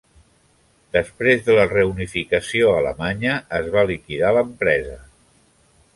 Després de la reunificació alemanya, es va liquidar l'empresa.